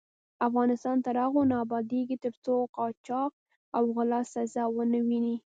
افغانستان تر هغو نه ابادیږي، ترڅو قاچاق او غلا سزا ونه ويني.